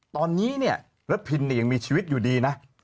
ตอนนี้นี่รภินทร์ยังมีชีวิตอยู่ดีนะ